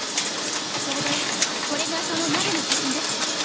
それでこれがその鍋の写真です。